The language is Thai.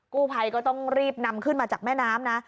กู้ภัยก็ต้องรีบนำขึ้นมาจากแม่น้ำนะ